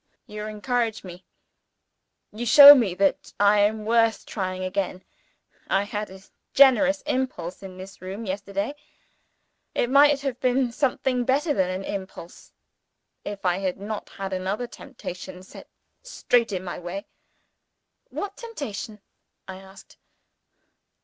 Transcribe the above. "You encourage me; you show me that I am worth trying again. I had a generous impulse in this room, yesterday. It might have been something better than an impulse if I had not had another temptation set straight in my way." "What temptation?" I asked.